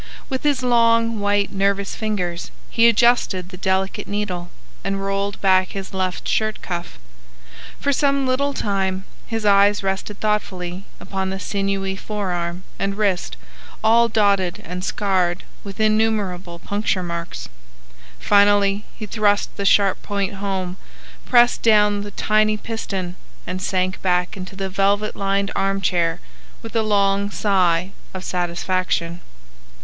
With his long, white, nervous fingers he adjusted the delicate needle, and rolled back his left shirt cuff. For some little time his eyes rested thoughtfully upon the sinewy forearm and wrist all dotted and scarred with innumerable puncture marks. Finally he thrust the sharp point home, pressed down the tiny piston, and sank back into the velvet lined arm chair with a long sigh of satisfaction.